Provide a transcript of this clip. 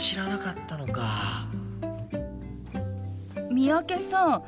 三宅さん